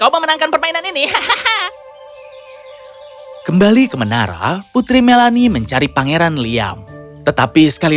kau memenangkan permainan ini hahaha kembali ke menara putri melani mencari pangeran liam tetapi sekali